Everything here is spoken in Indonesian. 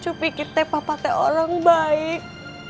cucu pikir teh papa orang baik